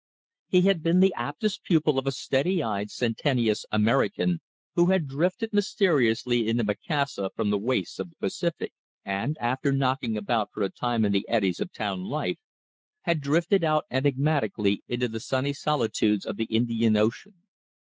He had been the aptest pupil of a steady eyed, sententious American, who had drifted mysteriously into Macassar from the wastes of the Pacific, and, after knocking about for a time in the eddies of town life, had drifted out enigmatically into the sunny solitudes of the Indian Ocean.